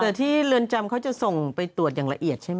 แต่ที่เรือนจำเขาจะส่งไปตรวจอย่างละเอียดใช่ไหม